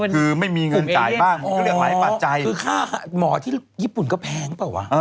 คือไม่มีเงินจ่ายไม่ว่าจะหมอที่ญี่ปุ่นก็แพง